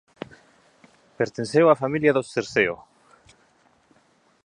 Pertenceu á familia dos Cerceo.